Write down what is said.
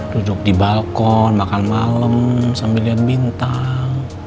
duduk di balkon makan malem sambil liat bintang